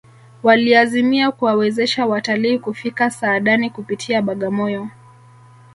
waliazimia kuwawezesha watalii kufika saadani kupitia bagamoyo